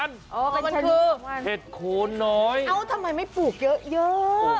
แต่มันคือเห็ดโคนน้อยเอ้าทำไมไม่ปลูกเยอะ